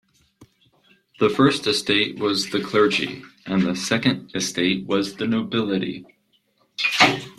The First Estate was the clergy, and the Second Estate was the nobility.